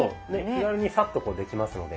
気軽にサッとできますので。